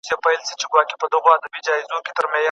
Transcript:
املا یو پیاوړی تمرین دی.